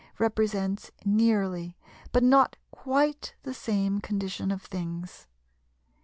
3 represents nearly but not quite the same condition of things.